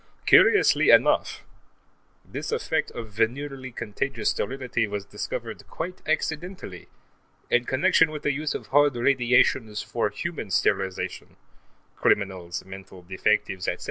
Curiously enough, this effect of venereally contagious sterility was discovered quite accidentally, in connection with the use of hard radiations for human sterilization (criminals, mental defectives, etc.).